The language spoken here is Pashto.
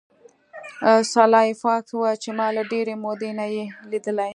سلای فاکس وویل چې ما له ډیرې مودې نه یې لیدلی